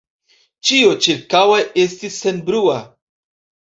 Ĉio ĉirkaŭe estis senbrua.